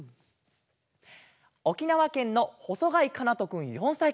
おきなわけんのほそがいかなとくん４さいから。